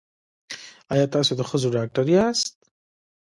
ایا تاسو د ښځو ډاکټر یاست؟